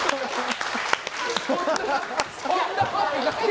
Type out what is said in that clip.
そんなわけない！